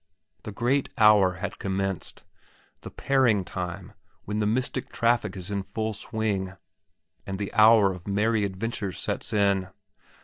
The great hour had commenced, the pairing time when the mystic traffic is in full swing and the hour of merry adventures sets in.